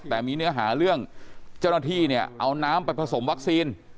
แต่มีเนื้อหาเรื่องเจ้าหน้าที่เนี่ยเอาน้ำไปผสมวัคซีน